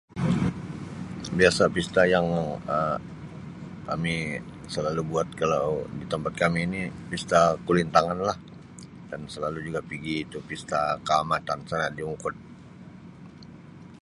Biasa Pesta yang Um kami selalu buat kalau di tempat kami ni Pesta Kulintangan lah dan selalu juga pigi itu Pesta Kaamatan sana di Hongkod